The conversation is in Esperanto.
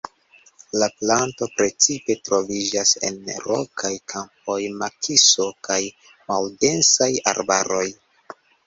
La planto precipe troviĝas en rokaj kampoj, makiso kaj maldensaj arbaroj.